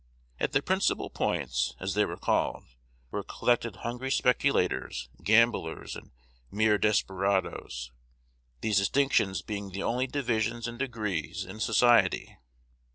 At the principal "points," as they were called, were collected hungry speculators, gamblers, and mere desperadoes, these distinctions being the only divisions and degrees in society.